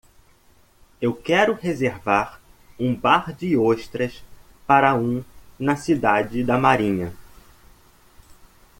Eu quero reservar um bar de ostras para um na cidade da Marinha.